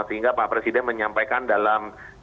sehingga pak presiden menyampaikan dalam